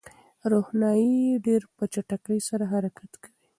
روښنايي ډېر په چټکۍ سره حرکت کوي.